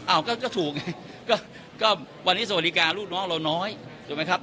อ้าวก็ก็ถูกไงก็ก็วันนี้สวริการูปน้องเราน้อยถูกไหมครับ